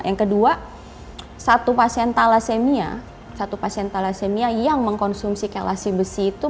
yang kedua satu pasien thalassemia satu pasien thalassemia yang mengkonsumsi kelasi besi itu